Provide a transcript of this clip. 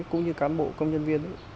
cũng như cán bộ công nhân viên